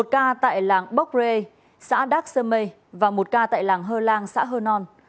một ca tại làng bốc rê xã đác sơ mê và một ca tại làng hơ lan xã hơ non